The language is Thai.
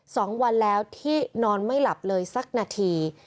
สองวันแล้วที่นอนไม่หลับเลยสักนาที